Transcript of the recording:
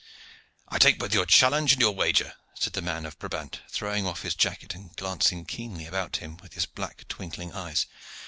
"I take both your challenge and your wager," said the man of Brabant, throwing off his jacket and glancing keenly about him with his black, twinkling eyes.